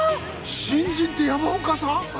新人って山岡さん？